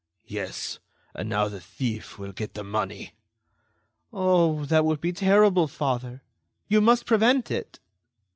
"Yes; and now the thief will get the money." "Oh! that would be terrible, father. You must prevent it."